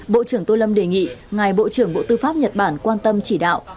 bộ trưởng tô lâm đề nghị ngài bộ trưởng bộ tư pháp nhật bản quan tâm chỉ đạo